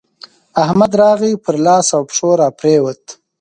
احمد راغی؛ پر لاس او پښو راپرېوت.